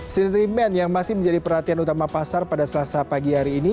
sentri man yang masih menjadi perhatian utama pasar pada selasa pagi hari ini